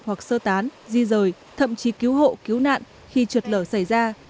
hoặc sơ tán di rời thậm chí cứu hộ cứu nạn khi trượt lở xảy ra